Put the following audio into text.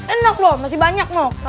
enak loh masih banyak loh